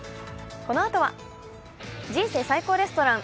このあとは「人生最高レストラン」。